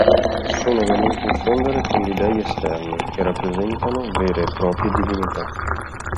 Sono da non confondere con gli Dei Esterni, che rappresentano vere e proprie divinità.